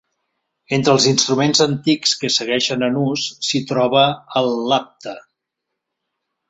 Entre els instruments antics que segueixen en ús s'hi troba el lavta.